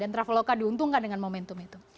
dan traveloka diuntungkan dengan momentum itu